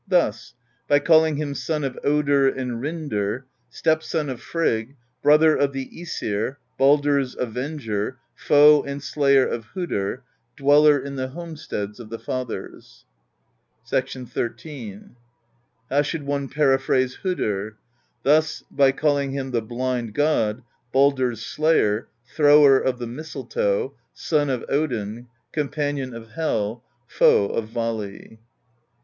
Thus: by calling him Son of Odin and Rindr, Stepson of Frigg, Brother of the ^sir, Baldr's Avenger, Foe and Slayer of Hodr, Dweller in the Homesteads of the Fathers. XIII. " How should one periphrase Hodr? Thus: by call ing him the Blind God, Baldr's Slayer, Thrower of the Mistletoe, Son of Odin, Companion of Hel, Foe of Vali.